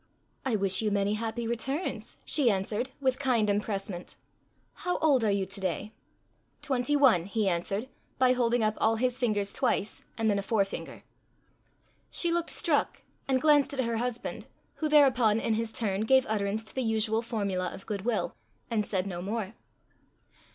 "I wish you many happy returns," she answered, with kind empressement. "How old are you to day?" "Twenty one," he answered by holding up all his fingers twice and then a forefinger. She looked struck, and glanced at her husband, who thereupon, in his turn, gave utterance to the usual formula of goodwill, and said no more.